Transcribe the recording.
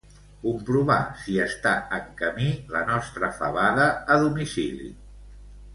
Comprovar si està en camí la nostra fabada a domicili.